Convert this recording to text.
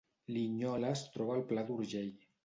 Linyola es troba al Pla d’Urgell